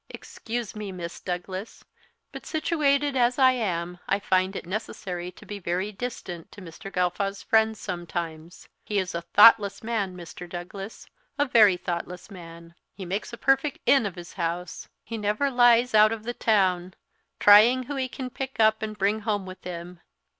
"Excuse me, Miss Douglas; but situated as I am, I find it necessary to be very distant to Mr. Gawffaw's friends sometimes. He is a thoughtless man, Mr. Douglas a very thoughtless man. He makes a perfect inn of his house. He never lies out of the town, trying who he can pick up and bring home with him.